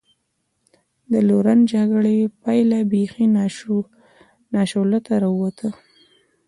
د لورن جګړې پایله بېخي ناشولته را ووته.